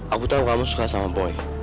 aku tau kamu suka sama boy